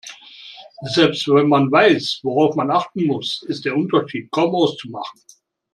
Selbst wenn man weiß, worauf man achten muss, ist der Unterschied kaum auszumachen.